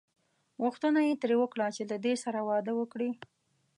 غوښتنه یې ترې وکړه چې له دې سره واده وکړي.